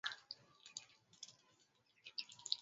i la wanamgambo la taliban limedai kuhusika na shambulizi hilo